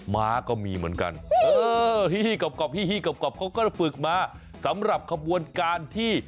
ม้าก็มีเหมือนกัน